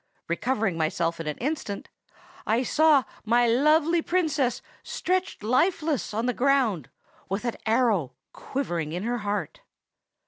Recovering myself in an instant, I saw my lovely Princess stretched lifeless on the ground, with an arrow quivering in her heart!